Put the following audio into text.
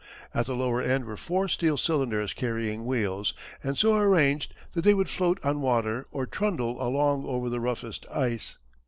At the lower end were four steel cylinders carrying wheels and so arranged that they would float on water or trundle along over the roughest ice.